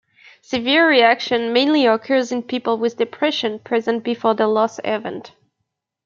Severe reactions mainly occur in people with depression present before the loss event.